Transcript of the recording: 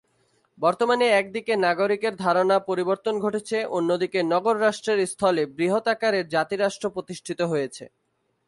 বর্তমানে একদিকে নাগরিকের ধারণার পরিবর্তন ঘটেছে, অন্যদিকে নগর-রাষ্ট্রের স্থলে বৃহৎ আকারের জাতি রাষ্ট্র প্রতিষ্ঠিত হয়েছে।